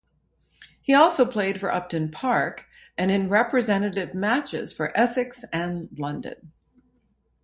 He also played for Upton Park and in representative matches for Essex and London.